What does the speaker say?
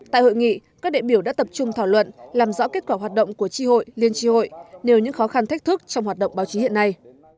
tại hội nghị các đệ biểu đã tập trung thảo luận làm rõ kết quả hoạt động của tri hội liên tri hội nêu những khó khăn thách thức trong hoạt động báo chí hiện nay